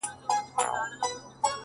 جلوه مخي په گودر دي اموخته کړم؛